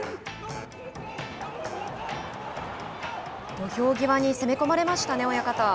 土俵際に攻め込まれましたね。